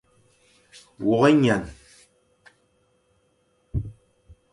Wôkh ényan.